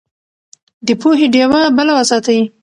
د پوهې ډيوه بله وساتئ.